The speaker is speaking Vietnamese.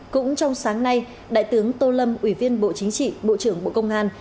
cũng trong sáng nay đại tướng tô lâm ủy viên bộ chính trị bộ trưởng bộ công an